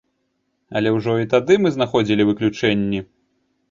Але ўжо і тады мы знаходзілі выключэнні.